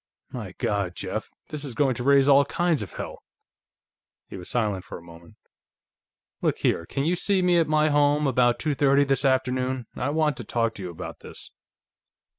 "My God, Jeff! This is going to raise all kinds of hell!" He was silent for a moment. "Look here, can you see me, at my home, about two thirty this afternoon? I want to talk to you about this."